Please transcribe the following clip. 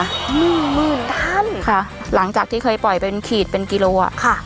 หมื่นหมื่นท่านค่ะหลังจากที่เคยปล่อยเป็นขีดเป็นกิโลอ่ะค่ะ